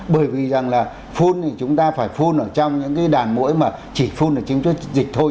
bởi vì rằng là phun thì chúng ta phải phun ở trong những cái đàn mũi mà chỉ phun ở trong dịch thôi